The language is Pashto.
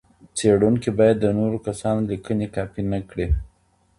څېړونکی باید د نورو کسانو لیکني کاپي نه کړي.